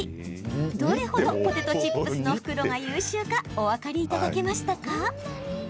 どれほどポテトチップスの袋が優秀かお分かりいただけましたか？